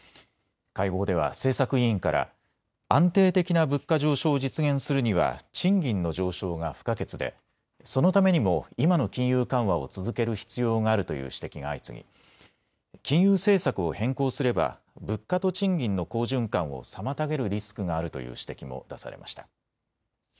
会合では政策委員から安定的な物価上昇を実現するには賃金の上昇が不可欠でそのためにも今の金融緩和を続ける必要があるという指摘が相次ぎ金融政策を変更すれば物価と賃金の好循環を妨げるリスクがあるという指摘も出されました。